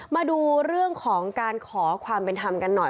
มาดูเรื่องของการขอความเป็นธรรมกันหน่อย